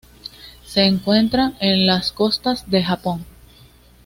Se encuentra en las costas del Japón.